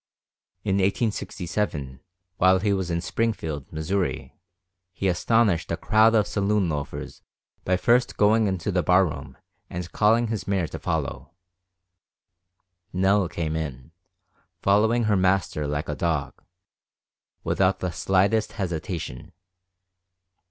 In 1867, while he was in Springfield, Missouri, he astonished a crowd of saloon loafers by first going into the bar room and calling his mare to follow. Nell came in, following her master like a dog, without the slightest hesitation.